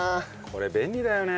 これ便利だよね。